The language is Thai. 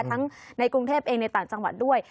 ทั้งในกรุงเทพเองในต่างจังหวัดด้วย